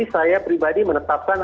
saya pribadi menetapkan